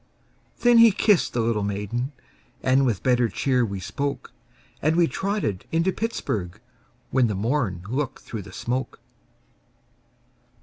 Then he kissed the little maiden, And with better cheer we spoke, And we trotted into Pittsburg, When the morn looked through the smoke.